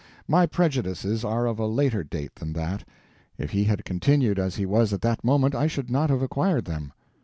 My prejudices are of a later date than that. If he had continued as he was at that moment, I should not have acquired them.